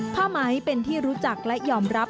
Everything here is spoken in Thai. ผ้าไหมเป็นที่รู้จักและยอมรับ